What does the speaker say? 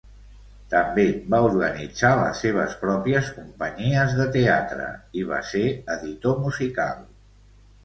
També va organitzar les seves pròpies companyies de teatre i va ser editor musical.